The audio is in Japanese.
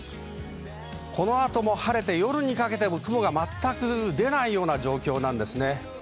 この後、晴れて夜にかけて雲が全く出ないような状況です。